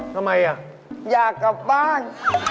ทำไมอยากกลับบ้าน